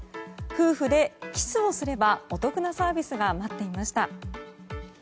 夫婦でキスをすれば、お得なサービスが待っていました。